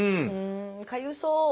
かゆそう！